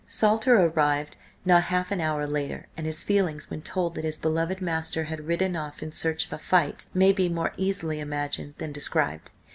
Salter arrived not half an hour later, and his feelings when told that his beloved master had ridden off in search of a fight, may be more easily imagined than described.